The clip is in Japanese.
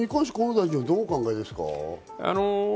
これに関して河野大臣はどうお考えですか？